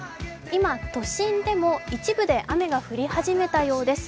今、都心でも一部で雨が降り始めたようです。